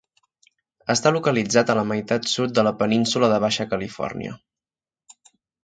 Està localitzat a la meitat sud de la península de Baixa Califòrnia.